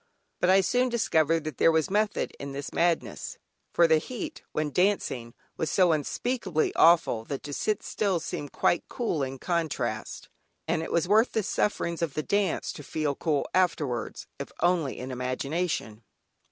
But I soon discovered that there was method in this madness, for the heat, when dancing, was so unspeakably awful that to sit still seemed quite cool in contrast, and it was worth the sufferings of the dance to feel cool afterwards, if only in imagination.